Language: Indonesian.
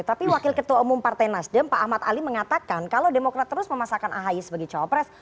tapi wakil ketua umum partai nasdem pak ahmad ali mengatakan kalau demokrat terus memasakkan ahy sebagai cawapres